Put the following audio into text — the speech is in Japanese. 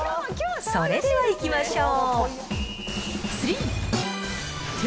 それではいきましょう。